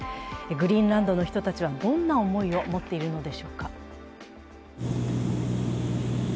グリーンランドの人たちはどんな思いを持っているのでしょうか。